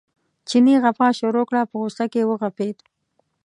چیني غپا شروع کړه په غوسه کې وغپېد.